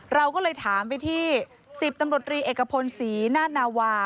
เราก็เลยถามไปที่๑๐ตำรวจรีเอกพลศรีนาธนาวา